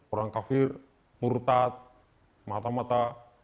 orang kafir murtad mata mata